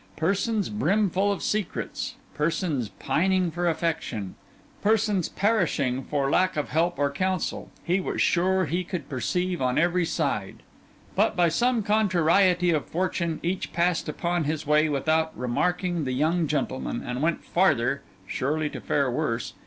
Persons brimful of secrets, persons pining for affection, persons perishing for lack of help or counsel, he was sure he could perceive on every side; but by some contrariety of fortune, each passed upon his way without remarking the young gentleman, and went farther (surely to fare worse!)